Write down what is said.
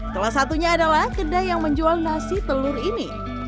salah satunya adalah kedai yang menjual nasi telur ini